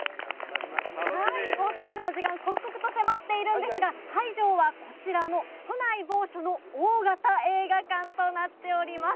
放送までの時間、刻々と迫っているんですが、会場はこちらの都内某所の大型映画館となっております。